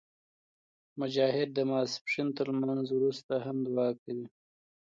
مجاهد د ماسپښین تر لمونځه وروسته هم دعا کوي.